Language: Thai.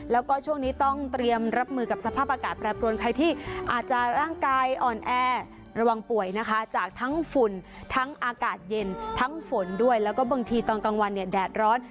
แล้วก็ช่วงนี้ต้องเตรียมรับมือกับสภาพอากาศแปรปรวนใครที่อาจจะร่างกายอ่อนแอระวังป่วยนะคะจากทั้งฝุ่นทั้งอากาศเย็นทั้งฝนด้วยแล้วก็บางทีตอนกลางวันเนี่ยแดดร้อน